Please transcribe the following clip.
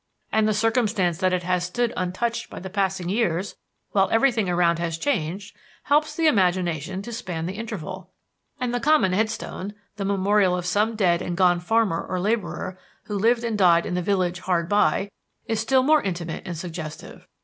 And the circumstance that it has stood untouched by the passing years while everything around has changed, helps the imagination to span the interval. And the common headstone, the memorial of some dead and gone farmer or laborer who lived and died in the village hard by, is still more intimate and suggestive.